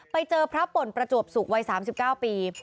ไปเจอพระป่นประจวบสุขวัย๓๙ปี